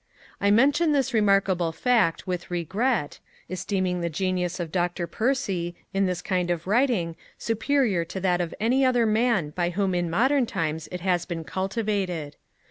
I mention this remarkable fact with regret, esteeming the genius of Dr. Percy in this kind of writing superior to that of any other man by whom in modern times it has been cultivated.